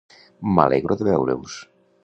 M'alegro de veure-us.